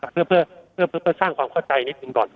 เพื่อสร้างความเข้าใจนิดหนึ่งก่อน